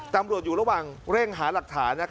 ตำรวจอยู่ระหว่างเร่งหาหลักฐาน